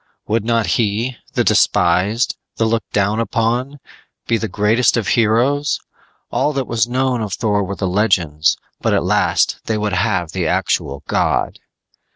Would not he, the despised, the looked down upon, be the greatest of heroes? All that was known of Thor were the legends, but at last they would have the actual god!